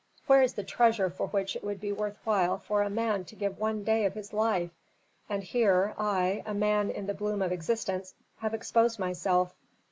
Where is the treasure for which it would be worth while for a man to give one day of his life? And here, I, a man in the bloom of existence, have exposed myself."